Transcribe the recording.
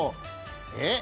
えっ？